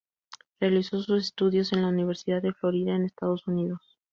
Realizó sus estudios en la Universidad de Florida en Estados Unidos.